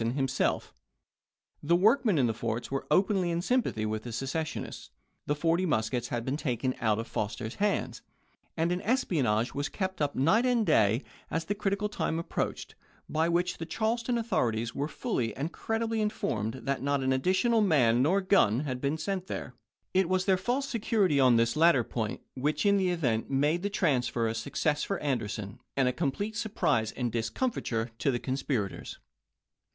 1NJ)0l58. himself; the workmen in the forts were openly in sympathy with the secessionists ; the forty mus kets had been taken out of Foster's hands; and an espionage was kept up night and day as the critical time approached, by which the Charleston authorities were fully and credibly informed that not an additional man nor gun had been sent there. THE SURRENDER PROGRAMME 43 It was their false security on this latter point chap. hi. which in the event made the transfer a success for Anderson, and a complete surprise and discom fiture to the conspirators.